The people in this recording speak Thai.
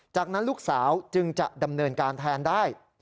จากนั้นลูกสาวจึงจะดำเนินการแทนได้